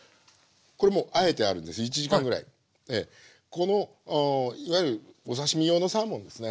このいわゆるお刺身用のサーモンですね。